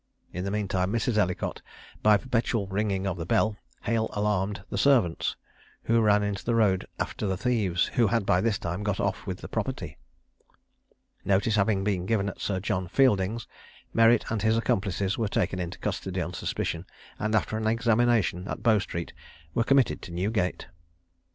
In the mean time Mrs. Ellicott, by perpetual ringing of the bell, hail alarmed the servants, who ran into the road after the thieves, who had by this time got off with the property. Notice having been given at Sir John Fielding's, Merritt and his accomplices were taken into custody on suspicion, and after an examination at Bow street were committed to Newgate.